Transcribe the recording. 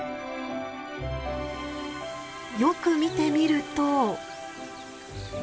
よく見てみると。